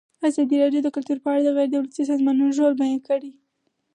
ازادي راډیو د کلتور په اړه د غیر دولتي سازمانونو رول بیان کړی.